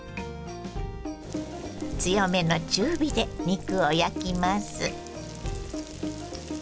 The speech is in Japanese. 強めの中火で肉を焼きます。